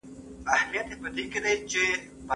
نو محصلین او نوي لیکوالان کره کتنه ته اړتیا لري.